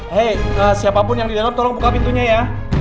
hei siapapun yang di dalam tolong buka pintunya ya